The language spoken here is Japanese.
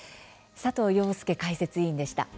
佐藤庸介解説委員でした。